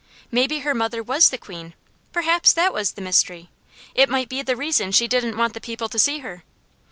Maybe her mother was the Queen. Perhaps that was the mystery. It might be the reason she didn't want the people to see her.